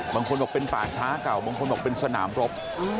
บางคนบอกเป็นป่าช้าเก่าบางคนบอกเป็นสนามรบ